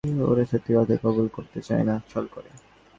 ওরা সত্যি কথাকে কবুল করতে চায় না, ছল করে।